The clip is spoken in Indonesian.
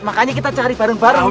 makanya kita cari barang barang